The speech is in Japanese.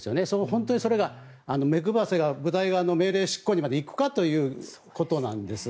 本当にそれが目配せが部隊側の命令執行にまで行くかということなんです。